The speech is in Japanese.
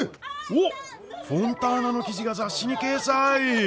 おっフォンターナの記事が雑誌に掲載。